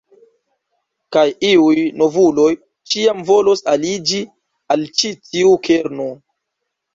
Kaj iuj novuloj ĉiam volos aliĝi al ĉi tiu kerno.